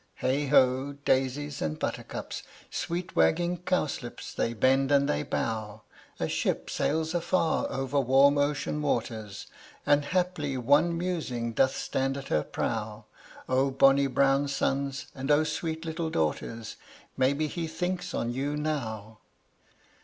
Heigh ho! daisies and buttercups, Sweet wagging cowslips, they bend and they bow; A ship sails afar over warm ocean waters, And haply one musing doth stand at her prow. O bonny brown sons, and O sweet little daughters, Maybe he thinks on you now!